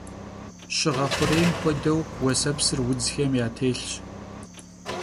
Şığe xhurêym xuedeu, vuesepsır vudzxem yatêlhş.